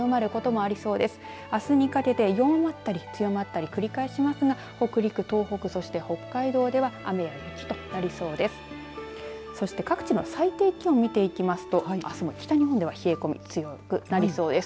あすにかけて、弱まったり強まったり、繰り返しますが北陸、東北、北海道では雨や雪となりそうです。